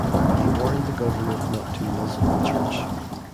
He warned the government not to "muzzle" the Church.